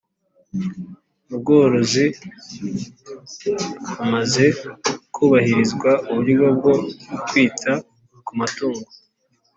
Mu bworozi hamaze kubahirizwa uburyo bwo kwita ku matungo